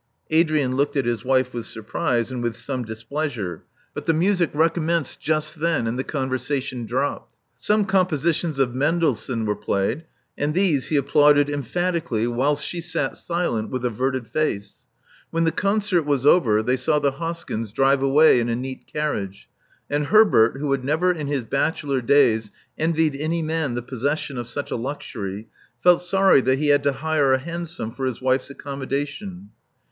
Adrian looked at his wife with surprise, and with some displeasure; but the music recommenced just Love Among the Artists 325 then, and the conversation dropped. Some com positions of Mendelssohn were played; and these he applauded emphatically, whilst she sat silent with averted face. When the concert was over they saw the Hoskyns drive away in a neat carriage; and Herbert, who had never in his bachelor days envied any man the possession of such a luxury, felt sorry that he had to hire a hansom for his wife's accommo dation.